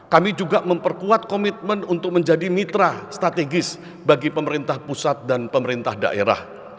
kami juga memperkuat komitmen untuk menjadi mitra strategis bagi pemerintah pusat dan pemerintah daerah